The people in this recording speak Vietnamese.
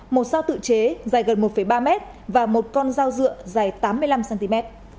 một sao tự chế dài gần một ba m và một con dao dựa dài tám mươi năm cm